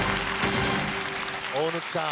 大貫さん。